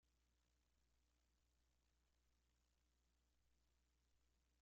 Situada junto a la catedral se encuentra el colegio de Santa María.